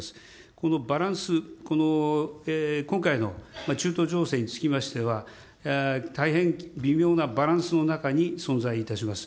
このバランス、この今回の中東情勢につきましては、大変微妙なバランスの中に存在いたします。